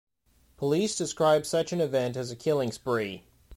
Police describe such an event as a killing spree.